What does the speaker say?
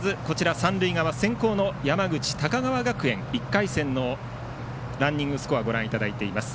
三塁側は先攻の山口・高川学園１回戦のスコアをご覧いただいています。